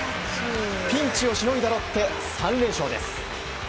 ピンチをしのいだロッテ３連勝です。